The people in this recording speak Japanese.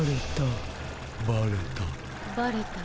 バレた？